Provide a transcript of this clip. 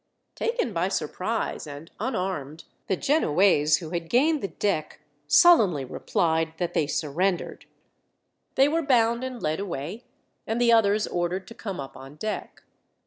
Taken by surprise, and unarmed, the Genoese who had gained the deck sullenly replied that they surrendered. They were bound and led away, and the others ordered to come up on deck.